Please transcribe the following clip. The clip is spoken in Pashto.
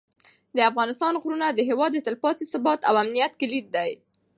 د افغانستان غرونه د هېواد د تلپاتې ثبات او امنیت کلیدي دي.